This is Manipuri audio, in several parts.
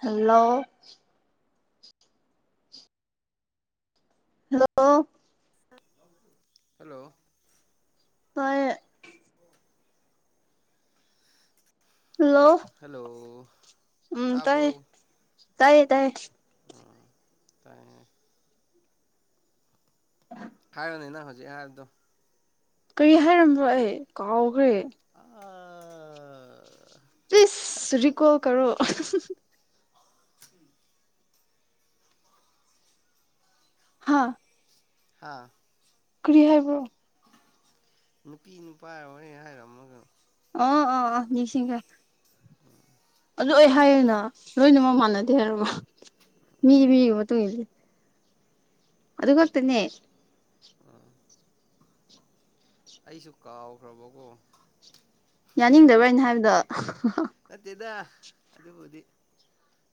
Hello hello. ꯍꯜꯂꯣ꯫ ꯇꯥꯏꯌꯦ꯫ ꯑꯣ ꯍꯜꯂꯣ ꯍꯜꯂꯣ ꯎꯝ ꯇꯥꯏꯌꯦ ꯇꯥꯏꯌꯦ ꯇꯥꯏꯌꯦ꯫ ꯎꯝ ꯇꯥꯏꯌꯦ꯫ [unintelligible] ꯍꯥꯏꯔꯣꯅꯦ ꯅꯪ ꯍꯧꯖꯤꯛ ꯍꯥꯏꯕꯗꯣ꯫ ꯀꯔꯤ ꯍꯥꯏꯔꯝꯕꯣ ꯑꯩ ꯀꯥꯎꯒꯔꯦ꯫ ꯑꯥ ꯄꯤꯁ ꯔꯤꯀꯣ ꯀꯔꯣ꯫ ꯎꯝ [unintelligible] ꯍꯥꯥ꯫ ꯍꯥꯥ꯫ ꯀꯔꯤ ꯍꯥꯏꯕ꯭ꯔꯣ꯫ ꯅꯨꯄꯤ ꯅꯨꯄꯥ ꯋꯥꯔꯤ [inaudible] ꯍꯥꯏꯔꯝꯃꯒ ꯑꯣ ꯑꯣ ꯑꯣ ꯅꯤꯡꯁꯤꯡꯈ꯭ꯔꯦ ꯎꯝ ꯑꯗꯨ ꯑꯩ ꯍꯥꯏꯌꯦꯅ ꯂꯣꯏꯅꯃꯛ ꯃꯥꯟꯅꯗꯦ ꯍꯥꯏꯔꯒ ꯃꯤꯃꯤꯒꯤ ꯃꯇꯨꯡ ꯏꯜꯂꯤ ꯑꯗꯨ ꯈꯛꯇꯅꯦ ꯎꯝ ꯑꯩꯁꯨ ꯀꯥꯎꯈ꯭ꯔꯕꯀꯣ ꯌꯥꯅꯤꯡꯗꯕ꯭ꯔ ꯑꯩꯅ ꯍꯥꯏꯕꯗꯣ ꯅꯠꯇꯦꯗ ꯑꯗꯨꯕꯨꯗꯤ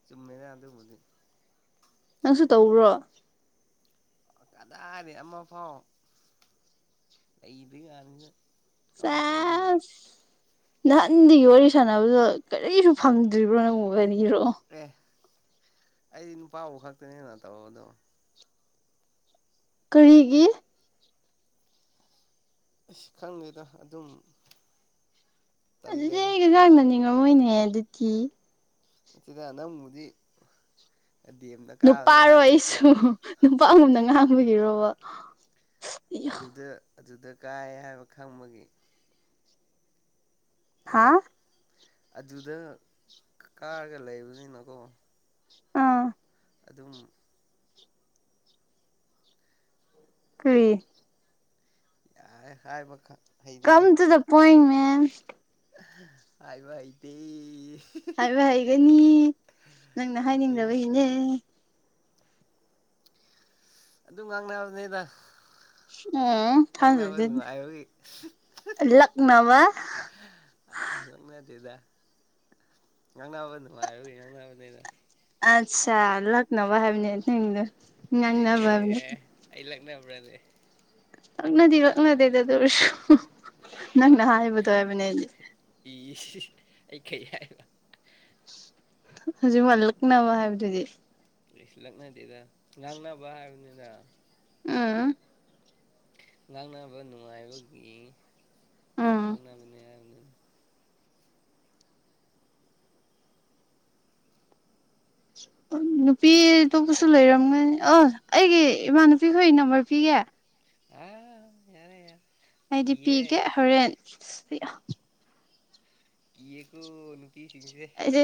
ꯆꯨꯝꯃꯦꯅ ꯑꯗꯨꯕꯨꯗꯤ ꯅꯪꯁꯨ ꯇꯧꯕ꯭ꯔꯣ ꯀꯗꯥꯏꯗꯩ ꯑꯃ ꯐꯥꯎ ꯂꯩꯇ꯭ꯔꯤ ꯀꯥꯟꯁꯤꯗ ꯀꯃꯥꯏꯅ ꯇꯧꯗꯣꯏꯅꯣ ꯆꯦꯁ ꯅꯍꯥꯟꯗꯒꯤ ꯋꯥꯔꯤ ꯁꯥꯟꯅꯕꯗꯣ ꯀꯔꯤꯁꯨ ꯐꯪꯗ꯭ꯔꯤꯕ꯭ꯔꯣ ꯅꯪꯕꯨ ꯀꯔꯤꯔꯣ ꯑꯦ ꯑꯩꯗꯤ ꯅꯨꯄꯥꯕꯨ ꯈꯛꯇꯅꯦꯅ ꯇꯧꯕꯗꯣ ꯀꯔꯤꯒꯤ ꯏꯁ ꯈꯪꯗꯦꯗ ꯑꯗꯨꯝ ꯑꯗꯨꯗꯤ ꯇꯜꯂꯦꯗ ꯑꯩ [inaudible] ꯅꯤꯡꯉꯝꯃꯣꯏꯅꯦ ꯑꯗꯨꯗꯤ ꯅꯠꯇꯦꯗ ꯅꯪꯕꯨꯗꯤ [inaudible] ꯅꯨꯄꯥꯔꯣ ꯍꯥꯏꯔꯔꯣꯏꯀꯣ ꯑꯩꯁꯨ ꯅꯨꯄꯥꯒꯨꯝꯅ ꯉꯥꯡꯕꯒꯤꯔꯣꯕ ꯑꯗꯨꯗ ꯑꯗꯨꯗ [inaudible] ꯍꯥꯏꯕ ꯈꯪꯕꯒꯤ ꯍꯥ ꯅꯦꯗ ꯑꯗꯨꯗ ꯀꯥꯔꯒ ꯂꯩꯕꯅꯤꯅꯀꯣ ꯎꯝ ꯑꯗꯨꯝ ꯀꯔꯤ ꯌꯥꯏ ꯍꯥꯏꯕ ꯈꯠ ꯀꯝ ꯇꯨꯗ ꯄꯣꯏꯟꯠ ꯃꯦꯟ ꯍꯥꯏꯕ ꯍꯩꯇꯦ ꯍꯥꯏꯕ ꯍꯩꯒꯅꯤ ꯅꯪꯅ ꯍꯩꯇꯦ ꯍꯩꯇꯦ ꯍꯥꯏꯅꯤꯡꯗꯕꯒꯤꯅꯦ ꯑꯗꯨꯝ ꯉꯥꯡꯅꯕꯅꯤꯗ ꯎꯝ ꯊꯥꯖꯗꯦ ꯑ ꯂꯛꯅꯕ ꯑꯥ ꯂꯛꯅꯗꯦꯗ ꯉꯥꯡꯅꯕ ꯅꯨꯡꯉꯥꯏꯕꯒꯤ ꯉꯥꯡꯅꯕꯅꯤꯗ ꯑꯠꯁꯥ ꯂꯛꯅꯕ ꯍꯥꯏꯕꯅꯦ ꯅꯪꯒꯤꯗꯣ ꯑꯦ ꯑꯩ ꯂꯛꯅꯕ꯭ꯔꯅꯦ ꯂꯛꯅꯗꯤ ꯂꯛꯅꯗꯦꯗ ꯑꯗꯨ ꯑꯣꯏꯔꯁꯨ ꯅꯪꯅ ꯍꯥꯏꯕꯗꯣ ꯍꯥꯏꯕꯅꯦ ꯑꯩꯗꯤ ꯏꯁ ꯑꯩ ꯀꯩ ꯍꯥꯏꯔꯤꯕ ꯍꯧꯖꯤꯛ ꯋꯥꯏ ꯂꯛꯅꯕ ꯍꯥꯏꯕꯗꯨꯗꯤ ꯏꯁ ꯂꯛꯅꯗꯦꯗ ꯉꯥꯡꯅꯕ ꯍꯥꯏꯕꯅꯤꯗ ꯎꯝ ꯉꯥꯡꯅꯕ ꯅꯨꯡꯉꯥꯏꯕꯒꯤ ꯎꯝ ꯉꯥꯡꯅꯕꯅꯤ ꯍꯥꯏꯕꯅꯦ ꯅꯨꯄꯤ ꯑꯇꯣꯞꯄꯁꯨ ꯂꯩꯔꯝꯒꯅꯤ ꯑꯣ ꯑꯩꯒꯤ ꯏꯃꯥꯟꯅꯕꯤ ꯈꯣꯏꯒꯤ ꯅꯝꯕꯔ ꯄꯤꯒꯦ [inaudible] ꯌꯥꯔꯦ ꯌꯥꯔꯦ ꯑꯩꯗꯤ ꯀꯤꯌꯦ ꯄꯤꯒꯦ ꯍꯣꯔꯦꯟ ꯏꯁ ꯑꯌꯥ ꯀꯤꯌꯦꯀꯣ ꯅꯨꯄꯤ ꯁꯤꯡꯁꯦ ꯑꯩꯗꯤ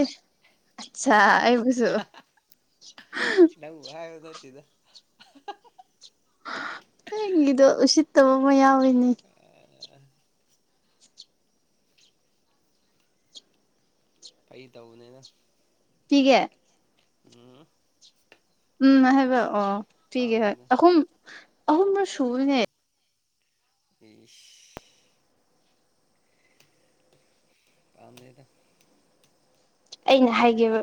ꯑꯠꯆꯥ ꯑꯩꯕꯨꯁꯨ ꯅꯪꯕꯨ ꯍꯥꯏꯕ ꯅꯠꯇꯦꯗ ꯑꯩꯒꯤꯗꯣ ꯎꯁꯤꯠꯇꯕꯃ ꯌꯥꯎꯋꯤꯅꯦ [unintelligible] ꯐꯒꯤ ꯇꯧꯕꯅꯤꯗ ꯄꯤꯒꯦ ꯎꯝ ꯎꯝ ꯍꯥꯏꯕꯔꯣ ꯑ ꯄꯤꯒꯦ ꯍꯣꯏ ꯄꯥꯝꯗꯦꯗ ꯑꯍꯨꯝ ꯑꯍꯨꯝꯔꯛ ꯁꯨꯕꯅꯦ ꯏꯁ ꯄꯥꯝꯗꯦꯗ ꯑꯩꯅ ꯍꯥꯏꯒꯦꯕ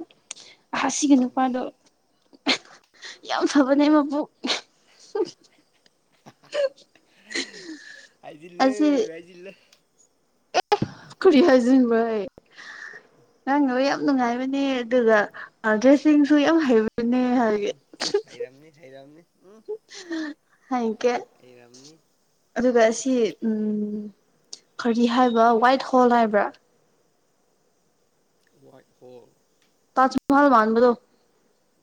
ꯑꯁꯤꯒꯤ ꯏꯁ ꯅꯨꯄꯥꯗꯣ ꯌꯥꯝ ꯐꯕꯅꯦ ꯃꯄꯨꯛ ꯍꯥꯏꯖꯤꯜꯂꯦ ꯍꯥꯏꯖꯤꯜꯂꯦ ꯀꯔꯤ ꯍꯥꯏꯁꯤꯟꯕ꯭ꯔ ꯍꯩ ꯉꯥꯡꯅꯕ ꯌꯥꯝ ꯅꯨꯡꯉꯥꯏꯕꯅꯦ ꯑꯗꯨꯒ ꯑꯥ ꯗ꯭ꯔꯦꯁꯤꯡꯁꯨ ꯌꯥꯝ ꯍꯩꯕꯤꯅꯦ ꯍꯥꯏꯒꯦ ꯎꯝ ꯍꯩꯔꯝꯅꯤ ꯍꯩꯔꯝꯅꯤ ꯎꯝ ꯍꯥꯏꯀꯦ ꯍꯩꯔꯝꯅꯤ ꯑꯗꯨꯒ ꯁꯤ ꯎꯝ ꯀꯔꯤ ꯍꯥꯏꯕ ꯋꯥꯏꯠ ꯍꯣꯜ ꯍꯥꯏꯕ꯭ꯔꯥ ꯋꯥꯏꯠ ꯍꯣꯜ ꯇꯥꯖꯃꯍꯜ ꯃꯥꯟꯕꯗꯣ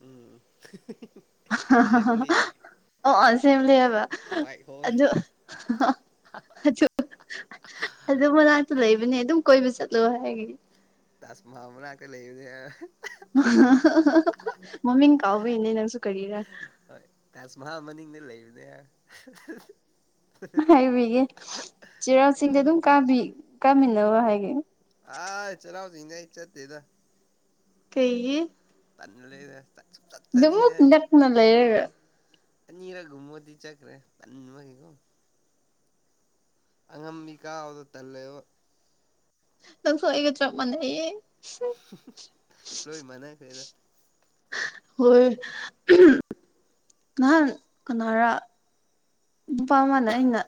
ꯎꯝ ꯑꯦꯁꯦꯝꯕ꯭ꯂꯤ ꯑꯣ ꯁꯦꯝꯂꯦꯕ ꯋꯥꯏꯠ ꯍꯣꯜ ꯑꯗꯨ [unintelligible] ꯑꯗꯨ ꯃꯅꯥꯛꯇ ꯂꯩꯕꯅꯦ ꯑꯗꯨꯝ ꯀꯣꯏꯕ ꯆꯠꯂꯣ ꯍꯥꯏꯒꯦ ꯇꯥꯁꯃꯍꯜ ꯃꯅꯥꯛꯇ ꯂꯩꯕꯅꯦ ꯍꯥꯏꯔ ꯃꯃꯤꯡ ꯀꯥꯎꯕꯩꯅꯦ ꯅꯪꯁꯨ ꯀꯔꯤꯔꯥ ꯍꯣꯏ ꯇꯥꯖꯃꯍꯜ ꯃꯅꯤꯡꯗ ꯂꯩꯕꯅꯦ ꯍꯥꯏ ꯍꯥꯏꯕꯤꯒꯦ ꯆꯩꯔꯥꯎ ꯆꯤꯡꯗꯤ ꯑꯗꯨꯝ ꯀꯥꯕꯤ ꯀꯥꯃꯤꯟꯅꯔꯣ ꯍꯥꯏꯒꯦ ꯑꯥ ꯆꯩꯔꯥꯎꯆꯤꯡꯗ ꯑꯩ ꯆꯠꯇꯦꯗ ꯀꯩꯒꯤ ꯇꯜꯂꯦꯗ ꯇ ꯑꯗꯨꯃꯨꯛ ꯅꯛꯅ ꯂꯩꯔꯒ ꯑꯅꯤꯔꯛ ꯒꯨꯝꯕꯗꯤ ꯆꯠꯈ꯭ꯔꯦ ꯇꯟꯕꯒꯤꯀꯣ ꯑꯉꯝꯕꯤ ꯀꯥꯕꯗꯣ ꯇꯜꯂꯦꯕ ꯅꯪꯁꯨ ꯑꯩꯒ ꯆꯞ ꯃꯥꯟꯅꯌꯦ ꯂꯣꯏ ꯃꯥꯟꯅꯈ꯭ꯔꯦꯗ ꯍꯣꯏ ꯅꯍꯥꯟ ꯀꯅꯥꯔ ꯅꯨꯄꯥ ꯃꯥꯅ ꯑꯩꯅ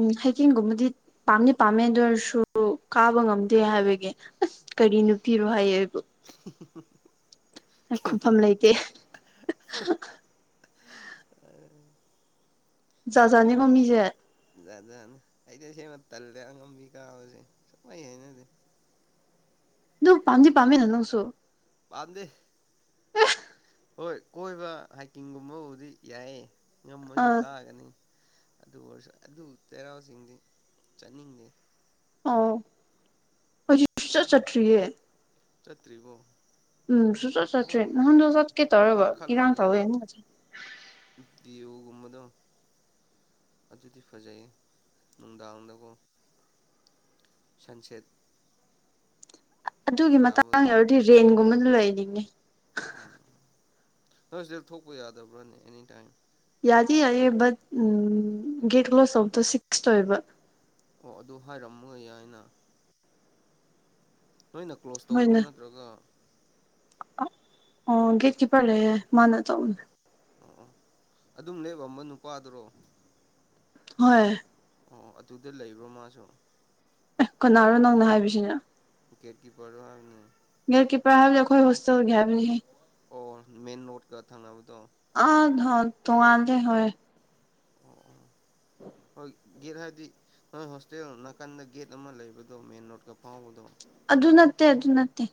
ꯎꯝ ꯍꯥꯏꯀꯤꯡꯒꯨꯝꯕꯗꯤ ꯄꯥꯝꯗꯤ ꯄꯥꯝꯃꯦ ꯑꯗꯨ ꯑꯣꯏꯔꯁꯨ ꯀꯥꯕ ꯉꯝꯗꯦ ꯍꯥꯏꯕꯒꯤ ꯀꯔꯤ ꯅꯨꯄꯤꯔꯣ ꯍꯥꯏꯌꯦ ꯑꯩꯕꯨ [unintelligible] ꯑꯩ ꯈꯨꯝꯐꯝ ꯀꯔꯤꯅꯣ ꯂꯩꯇꯦ ꯑ ꯖꯥꯠ ꯖꯥꯠꯅꯤꯀꯣ ꯃꯤꯖꯦ ꯖꯥꯠ ꯖꯥꯠꯅꯤ ꯑꯩꯗꯤ ꯑꯁꯦꯡꯕ ꯇꯜꯂꯦ ꯑꯉꯝꯕꯤ ꯀꯥꯕꯁꯦ ꯁꯨꯡꯍꯩ ꯍꯥꯏꯅꯗꯦ ꯑꯗꯨ ꯄꯥꯝꯗꯤ ꯄꯥꯝꯃꯦꯅ ꯅꯪꯁꯨ ꯄꯥꯝꯗꯦ [unintelligible] ꯍꯣꯏ ꯀꯣꯏꯕ ꯍꯥꯏꯀꯤꯡꯒꯨꯝꯕꯕꯨꯗꯤ ꯌꯥꯏꯌꯦ ꯑ ꯉꯝꯃꯁꯨ ꯀꯥꯒꯅꯤ ꯑꯗꯨ ꯑꯣꯏꯔꯁꯨ ꯑꯗꯨ ꯆꯩꯔꯥꯎꯆꯤꯡꯗꯤ ꯆꯠꯅꯤꯡꯗꯦ ꯑꯣ ꯍꯧꯖꯤꯛ ꯁꯨꯛꯆꯠ ꯆꯠꯇ꯭ꯔꯤꯌꯦ ꯆꯠꯇ꯭ꯔꯤꯕꯣ ꯎꯝ ꯁꯨꯆꯠ ꯆꯠꯇ꯭ꯔꯤ ꯍꯣꯏ [unintelligible] ꯆꯠꯀꯦ ꯇꯧꯔꯒ ꯢꯔꯥꯡ ꯇꯧꯌꯦꯅ ꯌꯨꯒꯨꯝꯕꯗꯣ ꯑꯗꯨꯗꯤ ꯐꯖꯩ ꯅꯨꯡꯗꯥꯡꯗꯒꯣ ꯁꯟꯁꯦꯠ ꯑꯗꯨꯒꯤ ꯃꯇꯥꯡ ꯇꯥꯕꯗꯣ ꯌꯧꯔꯗꯤ ꯔꯦꯟꯠ ꯒꯨꯝꯕꯗ ꯂꯩꯅꯤꯡꯉꯦ ꯎꯝ ꯅꯣꯏ ꯍꯣꯁꯇꯦꯜ ꯊꯣꯛꯄ ꯌꯥꯗꯕ꯭ꯔꯅꯦ ꯑꯦꯅꯤ ꯇꯥꯏꯝ ꯌꯥꯗꯤ ꯌꯥꯢꯌꯦ ꯕꯠ ꯎꯝ ꯒꯦꯠ ꯀ꯭ꯂꯣꯁ ꯇꯧꯕꯗꯣ ꯁꯤꯛꯁ ꯑꯣꯏꯕ ꯑꯣ ꯑꯗꯨ ꯍꯥꯏꯔꯝꯃꯒ ꯌꯥꯏꯅꯥ ꯅꯣꯏꯅ ꯀ꯭ꯂꯣꯁ ꯇꯧꯕ꯭ꯔꯣ ꯍꯣꯏꯅꯦ ꯅꯠꯇ꯭ꯔꯒ [unintelligible] ꯒꯦꯠ ꯆꯠ ꯀꯤꯄꯔ ꯂꯩꯌꯦ ꯃꯥꯅ ꯑꯣ ꯇꯧꯅꯤ ꯑꯣ ꯑꯣ ꯑꯗꯨꯝ ꯅꯣꯢꯒꯨꯝꯕ ꯅꯨꯄꯥꯗꯨꯔꯣ ꯍꯣꯏ ꯑꯣ ꯑꯗꯨꯗ ꯂꯩꯕ꯭ꯔꯣ ꯃꯥꯁꯨ ꯑꯦ ꯀꯅꯥꯔꯣ ꯅꯪꯅ ꯍꯥꯏꯕꯁꯤꯅ ꯒꯦꯠꯀꯤꯄꯔꯗꯣ ꯍꯥꯢꯕꯅꯦ ꯒꯦꯠ ꯀꯤꯄꯔ ꯍꯥꯢꯕꯗꯣ ꯑꯈꯣꯏ ꯍꯣꯁꯇꯦꯜꯒꯤ ꯍꯥꯏꯕꯅꯦꯍꯦ ꯑꯣ ꯃꯦꯟ ꯔꯣꯠꯀ ꯊꯪꯅꯕꯗꯣ [unintelligible] ꯇꯣꯡꯉꯥꯟꯗꯦ ꯍꯣꯢ ꯑꯣ ꯑꯣ ꯍꯣꯏ ꯒꯦꯠ ꯍꯥꯏꯗꯤ ꯅꯣꯏ ꯍꯣꯁꯇꯦꯜ ꯅꯥꯀꯟꯗ ꯒꯦꯠ ꯑꯃ ꯂꯩꯕꯗꯣ ꯃꯦꯟ ꯔꯣꯠꯀ ꯐꯥꯎꯕꯗꯣ ꯑꯗꯨ ꯅꯠꯇꯦ ꯑꯗꯨ ꯅꯠꯇꯦ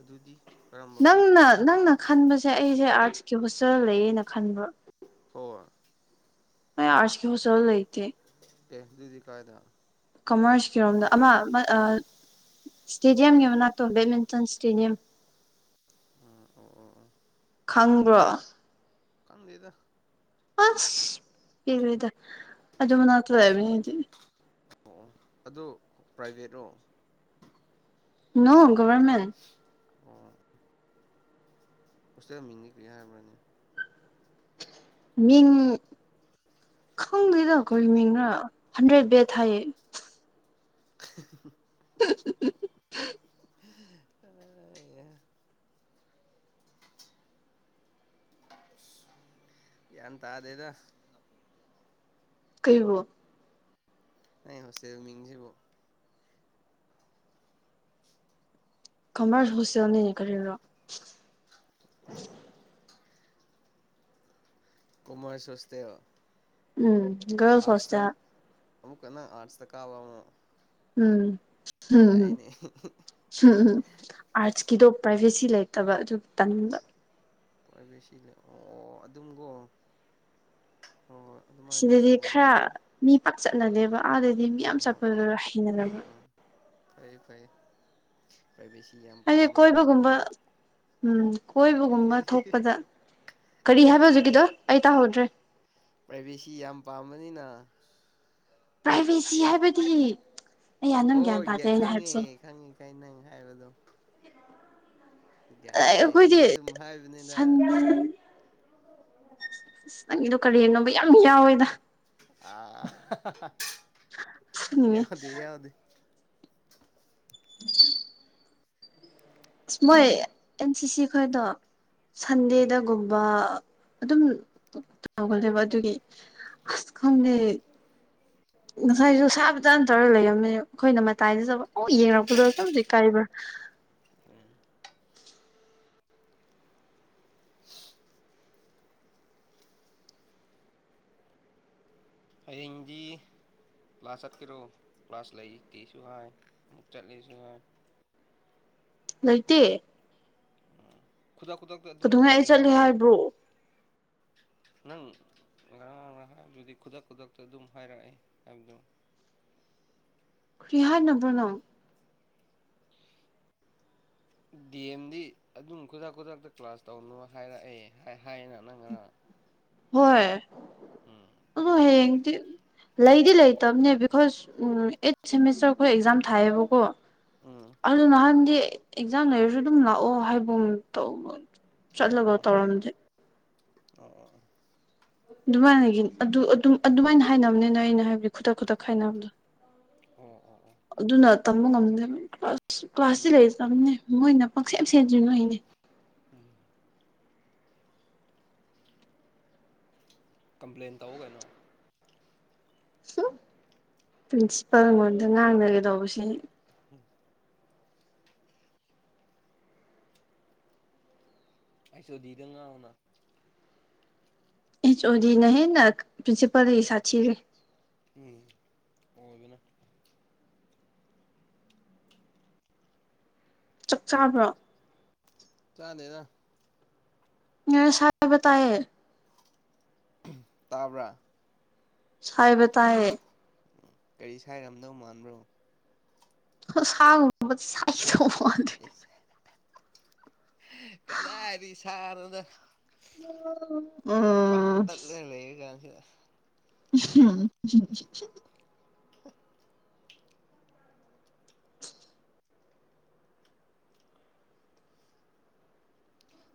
ꯑꯗꯨꯗꯤ ꯀꯔꯝꯕ ꯒꯦꯠ ꯅꯪꯅ ꯅꯪꯅ ꯈꯟꯕꯁꯦ ꯑꯩꯖꯦ ꯑꯥꯔꯠꯁꯀꯤ ꯍꯣꯁꯇꯦꯜ ꯂꯩꯌꯦꯅ ꯈꯟꯕ꯭ꯔꯣ [unintelligible] ꯑꯩ ꯑꯥꯔꯠꯁꯀꯤ ꯍꯣꯁꯇꯦꯜꯗ ꯂꯩꯇꯦ ꯑꯦ ꯑꯗꯨꯗꯤ ꯀꯥꯥꯏꯗ ꯀꯃꯔꯁꯀꯤꯔꯣꯝꯗ ꯑꯃ ꯑꯃ ꯑ ꯁ꯭ꯇꯦꯗꯤꯌꯝꯒꯤ ꯃꯅꯥꯛꯇꯣ ꯕꯦꯠꯃꯤꯟꯇꯟ ꯁ꯭ꯇꯦꯗꯤꯌꯝ ꯎꯝ ꯑꯣ ꯑꯣ ꯑꯣ ꯈꯪꯕ꯭ꯔꯣ ꯈꯪꯗꯦꯗ ꯑꯁ ꯢꯪꯉꯤꯗ ꯑꯗꯨ ꯃꯅꯥꯛꯇ ꯂꯩꯕꯅꯤ ꯑꯩꯗꯤ ꯑꯣ ꯑꯗꯨ ꯄ꯭ꯔꯥꯏꯚꯦꯠꯔꯣ ꯅꯣ ꯒꯣꯚꯔꯃꯦꯟꯠ ꯑꯣ ꯍꯣꯁꯇꯦꯜ ꯃꯤꯡꯗꯤ ꯀꯔꯤ ꯍꯥꯏꯕ꯭ꯔꯥꯅꯦ ꯃꯤꯡ ꯈꯪꯗꯦꯗ ꯀꯔꯤ ꯃꯤꯡꯔꯥ ꯍꯟꯗ꯭ꯔꯦꯠ ꯕꯦꯠ ꯍꯥꯏꯌꯦ [unintelligible] [unintelligible] [unintelligible] ꯒ꯭ꯌꯥꯟ ꯇꯥꯗꯦꯗ ꯀꯩꯕꯨ ꯑꯩ ꯍꯣꯁꯇꯦꯜ ꯃꯤꯡꯖꯤꯕꯣ ꯀꯃꯔꯁ ꯍꯣꯁꯇꯦꯜꯅꯤꯅꯦ ꯀꯔꯤꯔꯥ ꯑꯣ ꯀꯣꯃꯔꯁ ꯍꯣꯁꯇꯦꯜ ꯎꯝ ꯒꯔꯜꯁ ꯑꯥꯔꯠꯁꯇ ꯍꯣꯁꯇꯦꯜ ꯑꯃꯨꯛꯀ ꯅꯪ ꯑꯥꯠꯁꯇ ꯀꯥꯕ ꯑꯃꯨꯛ ꯎꯝ ꯌꯥꯏꯅꯦ ꯎꯝ ꯎꯝ ꯑꯥꯔꯠꯁꯀꯤꯗꯣ ꯄ꯭ꯔꯥꯏꯚꯦꯁꯤ ꯂꯩꯇꯕ ꯑꯗꯨ ꯇꯟꯕꯥ ꯄ꯭ꯔꯥꯏꯚꯦꯁꯤ ꯂꯩ ꯑꯣ ꯑꯣ ꯑꯗꯨꯝꯒꯣ ꯍꯣꯏ ꯍꯣꯏ ꯑꯗꯨꯃꯥꯏꯅꯗꯤ ꯁꯤꯗꯗꯤ ꯇꯧꯋꯦ ꯈꯔ ꯃꯤ ꯄꯥꯛ ꯆꯠꯅꯗꯦꯕ ꯑꯥꯗꯩꯗꯤ ꯃꯤ ꯌꯥꯝ ꯍꯣꯏ ꯍꯣꯏ ꯆꯠꯄꯗꯨꯗ ꯍꯩꯅꯗꯕ ꯎꯝ ꯎꯝ ꯐꯩꯌꯦ ꯐꯩꯌꯦ ꯄ꯭ꯔꯥꯏꯚꯦꯁꯤ ꯌꯥꯝ ꯍꯥꯏꯗꯤ ꯄꯥꯝꯕꯅꯤꯅꯀꯣ ꯀꯣꯏꯕꯒꯨꯝꯕ ꯎꯝ ꯀꯣꯏꯕꯒꯨꯝꯕ ꯊꯣꯛꯄꯗ ꯀꯔꯤ ꯍꯥꯏꯕ ꯍꯧꯖꯤꯛꯀꯤꯗꯣ ꯑꯩ ꯇꯥꯍꯧꯗ꯭ꯔꯦ ꯄ꯭ꯔꯥꯏꯚꯦꯁꯤ ꯌꯥꯝ ꯄꯥꯝꯕꯅꯤꯅ ꯄ꯭ꯔꯥꯏꯚꯦꯁꯤ ꯍꯥꯏꯕꯗꯤ ꯑꯩꯌꯥ ꯅꯪ ꯒ꯭ꯌꯥꯟ ꯍꯣꯏ ꯌꯥ ꯇꯥꯗꯦ ꯑꯩꯅ ꯈꯪꯉꯦ ꯍꯥꯏꯕꯁꯦ ꯈꯪꯉꯦ ꯀꯩ ꯅꯪ ꯍꯥꯏꯕꯗꯣ ꯒ꯭ꯌꯥꯟ ꯇꯥꯏꯑ ꯑꯩꯈꯣꯏꯗꯤ ꯆꯨꯝꯅ ꯁꯨꯝ ꯍꯥꯏꯕꯅꯤꯗ ꯁꯟ ꯑꯁ ꯅꯪꯒꯤꯗꯣ ꯀꯔꯤꯅꯣꯕ ꯌꯥꯝ ꯌꯥꯎꯋꯦꯗ ꯑ ꯍꯥ ꯍꯥ ꯐꯨꯅꯤꯡꯉꯦ ꯌꯥꯎꯗꯦ ꯌꯥꯎꯗꯦ [unintelligible] ꯑꯁ ꯃꯣꯏ ꯑꯦꯟ ꯁꯤ ꯁꯤ ꯈꯣꯏꯗꯣ ꯎꯝ ꯁꯟꯗꯦꯗꯒꯨꯝꯕ ꯑꯗꯨꯝ ꯇꯧꯕꯅꯦꯕ ꯑꯗꯨꯒꯤ ꯑꯁ ꯈꯪꯗꯦ ꯉꯁꯥꯏꯁꯨ ꯎꯝ ꯁꯥꯕꯗꯥꯟ ꯇꯧꯔꯒ ꯂꯩꯔꯝꯃꯤ ꯑꯩꯈꯣꯏꯅ ꯃꯇꯥꯏꯗ ꯆꯠꯕ ꯑꯣ ꯌꯦꯡꯉꯛꯄꯗꯣ ꯝꯖꯤꯛ ꯀꯥꯏꯕ꯭ꯔꯥ ꯍꯥꯎꯋꯦ ꯍꯌꯦꯡꯗꯤ ꯀ꯭ꯂꯥꯁ ꯆꯠꯀꯦꯔꯣ ꯀ꯭ꯂꯥꯁ ꯂꯩꯇꯦꯁꯨ ꯍꯥꯏ ꯑꯃꯨꯛ ꯆꯠꯂꯦꯁꯨ ꯍꯥꯏ ꯂꯩꯇꯦ ꯑꯥ ꯈꯨꯗꯛ ꯈꯨꯗꯛꯇ ꯑꯗꯨꯝ ꯀꯩꯗꯧꯉꯩ ꯑꯩ ꯇꯧꯋꯦ ꯆꯠꯂꯦ ꯍꯥꯏꯕ꯭ꯔꯣ ꯅꯪ ꯉꯔꯥꯡ ꯅꯍꯥꯥꯟꯗꯨꯗꯤ ꯈꯨꯗꯛ ꯈꯨꯗꯛꯇ ꯑꯗꯨꯝ ꯍꯥꯏꯔꯛꯑꯦ ꯍꯥꯏꯕꯗꯨ ꯀꯔꯤ ꯍꯥꯅꯕ꯭ꯔꯣ ꯅꯪ ꯗꯤ ꯑꯦꯝꯗꯤ ꯑꯗꯨꯝ ꯈꯨꯗꯛ ꯈꯨꯗꯛꯇ ꯀ꯭ꯂꯥꯁ ꯇꯧꯅꯨ ꯍꯥꯏꯔꯛꯑꯦ ꯍꯥꯏꯌꯦꯅ ꯅꯪ ꯉꯔꯥꯡ ꯍꯣꯏ ꯎꯝ ꯑꯗꯣ ꯑꯗꯨ ꯍꯌꯦꯡꯗꯤ ꯂꯩꯗꯤ ꯂꯩꯇꯕꯅꯦ ꯕꯤꯀꯣꯁ ꯑꯩꯠ ꯁꯦꯃꯤꯁꯇꯔ ꯑꯩꯈꯣꯏ ꯑꯦꯛꯖꯥꯝ ꯊꯥꯏꯌꯦꯕꯀꯣ ꯎꯝ ꯑꯗꯨ ꯅꯍꯥꯟꯗꯤ ꯑꯦꯛꯖꯥꯝ ꯂꯩꯔꯁꯨ ꯑꯗꯨꯝ ꯂꯥꯛꯑꯣ ꯍꯥꯏꯒꯨꯝ ꯇꯧꯕ ꯆꯠꯂꯒ ꯇꯧꯔꯝꯗꯦ ꯑ ꯑ ꯑ ꯑꯗꯨꯃꯥꯏꯅꯒꯤ ꯑꯗꯨ ꯑꯗꯨꯝ ꯑꯗꯨꯃꯥꯏꯅ ꯍꯥꯏꯅꯕꯅꯤꯅ ꯑꯩꯅ ꯍꯥꯏꯕꯗꯤ ꯈꯨꯗꯛ ꯈꯨꯗꯛ ꯈꯥꯏꯅꯕꯗꯣ ꯑꯣ ꯑꯣ ꯑꯣ ꯑꯗꯨꯅ ꯇꯝꯕ ꯉꯝꯗꯦꯕ ꯀ꯭ꯂꯥꯁ ꯀ꯭ꯂꯥꯁꯇꯤ ꯎꯝ ꯂꯩꯇ꯭ꯔꯕꯅꯦ ꯃꯣꯏꯅ ꯄꯪꯁꯦꯝ ꯁꯦꯝꯖꯤꯟꯕꯩꯅꯦ ꯎꯝ ꯀꯝꯄ꯭ꯂꯦꯟ ꯇꯧ ꯀꯩꯅꯣ ꯍꯨꯡ ꯄ꯭ꯔꯤꯟꯁꯤꯄꯥꯜ ꯃꯣꯟꯗ ꯉꯥꯡꯅꯒꯦ ꯇꯧꯕꯁꯦ ꯎꯝ ꯑꯩꯁꯨꯗꯤꯗꯉꯅ [unintelligible] [inaudible] ꯑꯩꯆ ꯑꯣ ꯗꯤꯅ ꯍꯦꯟꯅ ꯄ꯭ꯔꯤꯟꯁꯤꯄꯥꯜꯗꯥꯒꯤ ꯁꯥꯊꯤꯔꯦ꯫ ꯎꯝ ꯑꯣꯏꯕꯥꯅꯦ ꯆꯥꯛ ꯆꯥꯕ꯭ꯔꯣ? ꯆꯥꯗꯦꯗꯥ ꯫ ꯅꯪ ꯁꯥꯏꯕ ꯇꯏꯌꯦ ꯇꯥꯕ꯭ꯔꯥ? ꯁꯥꯏꯕꯥ ꯇꯥꯏꯌꯦ ꯎ ꯀꯔꯤ ꯁꯥꯏꯔꯝꯗꯧ ꯃꯥꯟꯕ꯭ꯔꯣ? ꯁꯥꯒꯨꯝꯕꯥ ꯁꯥꯏꯗꯧꯕ ꯃꯥꯜꯂꯑꯦ [unintelligible] [inaudible] ꯀꯗꯥꯏꯗꯩ ꯁꯅꯣꯗꯥ ꯄꯠ ꯎꯝ ꯇꯠꯂ ꯂꯩꯔꯤ ꯀꯥꯟꯁꯤꯗ ꯑꯨꯝꯍꯨꯝ ꯍꯨꯝ ꯍꯨꯝ ꯍꯨꯝ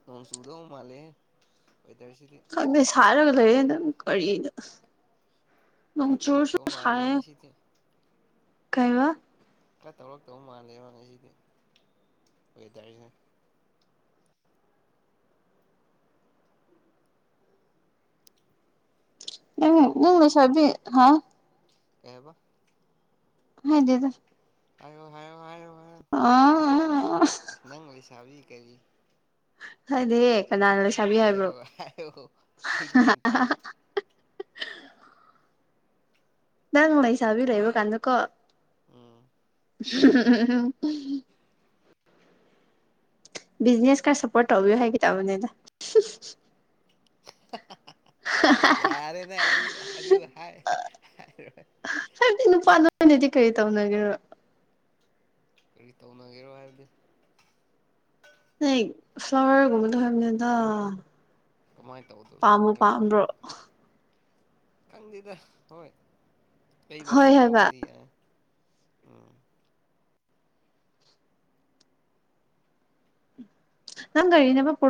ꯅꯣꯡ ꯆꯨꯗꯧ ꯃꯥꯜꯂꯦꯍꯦ ꯋꯦꯗꯔꯁꯤꯗꯤ ꯈꯪꯗꯦ ꯁꯥꯏꯔꯒ ꯂꯩꯔꯦ ꯅꯪ ꯀꯔꯤꯅꯣ ꯅꯣꯡ ꯈꯔ ꯆꯨꯔꯁꯨ ꯇꯧꯔꯛꯇꯧ ꯃꯥꯜꯂꯦ ꯁꯥꯏꯌꯦ ꯉꯁꯤꯗꯤ ꯀꯩꯕꯥ ꯈ꯭ꯔꯥ ꯇꯧꯔꯛꯇꯧ ꯃꯥꯜꯂꯦꯕ ꯉꯁꯤꯗꯤ ꯋꯦꯗꯔꯖꯦ꯫ ꯅꯪ ꯇꯥꯕ꯭ꯔꯣ ꯅꯪ ꯂꯩꯁꯥꯕꯤ ꯍꯥ ꯀꯩꯍꯥꯏꯕ? ꯍꯥꯏꯗꯦꯗꯥ ꯍꯥꯏꯌꯣ ꯍꯥꯏꯌꯣ ꯍꯥꯏꯌꯣ ꯍꯥꯏꯌꯣ ꯑꯥ ꯅꯪ ꯂꯩꯁꯥꯕꯤ ꯀꯔꯤ ꯍꯥꯏꯗꯦꯌꯦ ꯀꯅꯥꯅ ꯂꯩꯁꯥꯕꯤ ꯍꯥꯏꯌꯣ ꯍꯥꯏꯕ꯭ꯔꯣ?? ꯍꯥꯏꯌꯣ ꯑꯩ ꯂꯣꯏ ꯇꯥꯏ ꯌꯥꯌꯥ ꯅꯪ ꯂꯩꯩꯁꯥꯕꯤ ꯂꯩꯕ ꯀꯥꯟꯗꯀꯣ ꯎꯝ [inaudible] ꯕꯤꯖꯤꯅꯦꯁ ꯈ꯭ꯔ ꯁꯥꯄꯣꯔꯠ ꯇꯧꯕꯤꯌꯣ ꯍꯥꯏꯒꯦ ꯇꯧꯕꯅꯦꯗ ꯌꯥꯔꯦꯅꯦ ꯑꯗꯨ ꯑꯗꯨ ꯍꯥꯏ ꯍꯥꯢꯔꯣꯢ ꯍꯥꯏꯕꯗꯤ ꯅꯨꯄꯥ ꯅꯣꯏꯅꯗꯤ ꯀꯔꯤ ꯇꯧꯅꯒꯦꯔꯣ? ꯀꯔꯤ ꯇꯧꯅꯒꯦꯔꯣ ꯍꯥꯏꯕꯗꯤ? ꯂꯩ ꯐ꯭ꯂꯥꯋꯔꯒꯨꯝꯕ ꯗꯣ ꯍꯕꯅꯦꯗꯥ꯫ ꯀꯃꯥꯏꯅ ꯇꯧꯗꯣꯏꯕꯣ ꯍꯥꯏꯗꯤ ꯈꯪꯗꯦꯗ ꯍꯣꯏ ꯂꯩꯕ ꯍꯣꯏ ꯍꯥꯏꯕ ꯈꯣꯠꯄꯕꯨꯗꯤ ꯌꯥꯏ ꯎꯝ ꯅꯪ ꯒꯔꯤꯅꯥ [unintelligible] [inaudible]